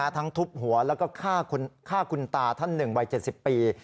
ทั้งทุบหัวแล้วก็ฆ่าคุณตาท่านหนึ่งวัย๗๐ปี